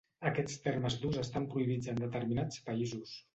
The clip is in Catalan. Aquests termes d'ús estan prohibits en determinats països.